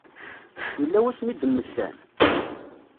Yella wasmi i d-mmektan?